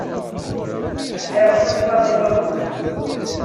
Sɛiɣ cwiṭ maḍi n wakud.